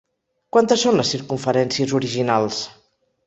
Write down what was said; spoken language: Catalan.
Quantes són les circumferències originals?